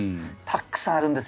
たくさんあるんですよ